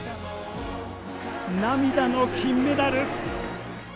涙の金メダル。